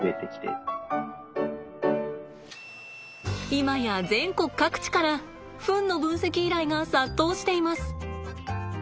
今や全国各地からフンの分析依頼が殺到しています。